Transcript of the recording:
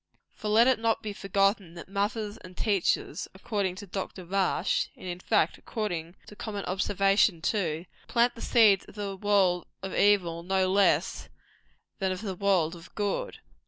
For let it not be forgotten that mothers and teachers, according to Dr. Rush and, in fact, according to common observation, too plant the seeds of the world of evil no less than of the world of good.